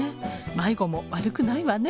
まいごも悪くないわね。